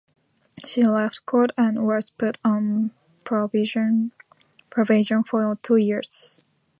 She left court and was put on probation for two years.